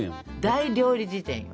「大料理事典」よ。